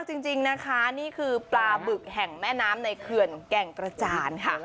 จริงนะคะนี่คือปลาบึกแห่งแม่น้ำในเขื่อนแก่งกระจานค่ะ